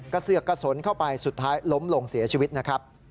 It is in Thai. เสือกกระสนเข้าไปสุดท้ายล้มลงเสียชีวิตนะครับ